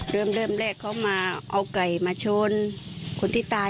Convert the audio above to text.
เริ่มเริ่มแรกเขามาเอาไก่มาชนคนที่ตาย